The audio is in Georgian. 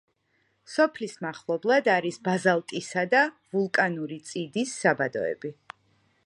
სოფლის მახლობლად არის ბაზალტისა და ვულკანური წიდის საბადოები.